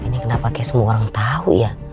ini kenapa kayak semua orang tahu ya